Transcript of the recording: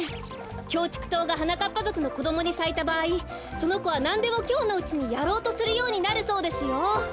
キョウチクトウがはなかっぱぞくのこどもにさいたばあいそのこはなんでもきょうのうちにやろうとするようになるそうですよ。